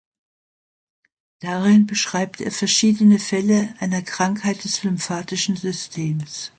Darin beschreibt er verschiedene Fälle einer Krankheit des lymphatischen Systems.